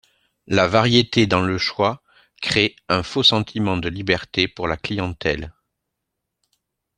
La variété dans le choix crée un faux sentiment de liberté pour la clientèle.